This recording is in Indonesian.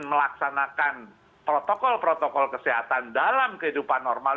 melaksanakan protokol protokol kesehatan dalam kehidupan normal